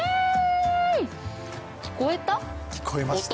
聞こえた？